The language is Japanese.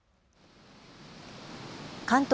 関東